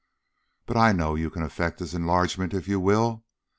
But I know you can effect his enlargement if you will.